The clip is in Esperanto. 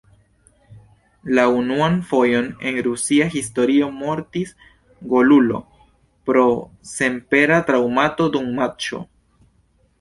La unuan fojon en rusia historio mortis golulo pro senpera traŭmato dum matĉo.